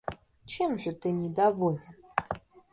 Чем же ты недоволен?